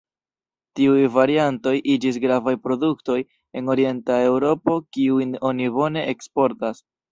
Tiuj variantoj iĝis gravaj produktoj en Orienta Eŭropo kiujn oni bone eksportas.